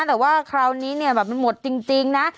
แต่ว่าคราวนี้เนี่ยแบบมันหมดจริงนะ